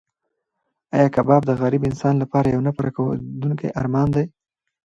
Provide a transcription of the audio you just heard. ایا کباب د غریب انسان لپاره یو نه پوره کېدونکی ارمان دی؟